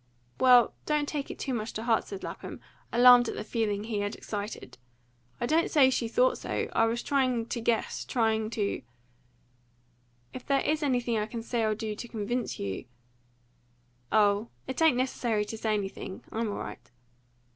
"Well, don't take it too much to heart," said Lapham, alarmed at the feeling he had excited; "I don't say she thought so. I was trying to guess trying to " "If there is anything I can say or do to convince you " "Oh, it ain't necessary to say anything. I'm all right."